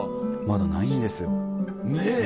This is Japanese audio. まだないんですよ。ねぇ！